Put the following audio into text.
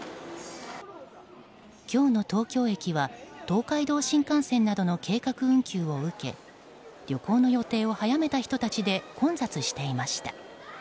今日の東京駅は東海道新幹線などの計画運休を受け旅行の予定を早めた人たちで混雑していました。